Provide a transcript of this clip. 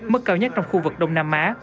mức cao nhất trong khu vực đông nam á